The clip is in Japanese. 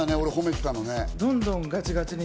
俺が褒めてたの。